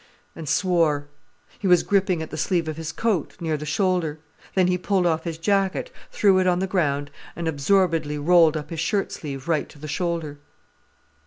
and swore. He was gripping at the sleeve of his coat, near the shoulder. Then he pulled off his jacket, threw it on the ground, and absorbedly rolled up his shirt sleeve right to the shoulder.